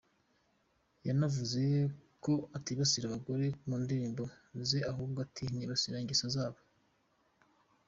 Yanavuze ko atibasira abagore mu ndirimbo ze ahubwo ati “Nibasira ingeso zabo.